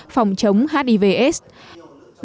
phòng chống hivs và các bộ ban ngành liên quan